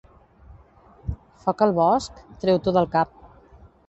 Foc al bosc? Treu-t'ho del cap.